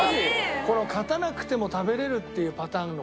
この勝たなくても食べられるっていうパターンの方がいい。